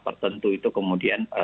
tertentu itu kemudian